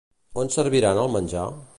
On serviran el menjar?